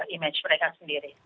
image mereka sendiri